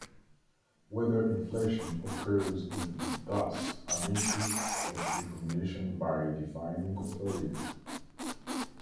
Whether inflation occurs is thus an issue of recognition by a defining authority.